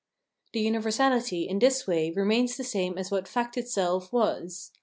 The universality in this way remains the same as what "fact itself" was.